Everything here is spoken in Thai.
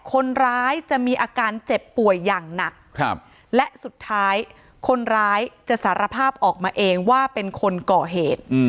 คนร้ายจะมีอาการเจ็บป่วยอย่างหนักและสุดท้ายคนร้ายจะสารภาพออกมาเองว่าเป็นคนก่อเหตุ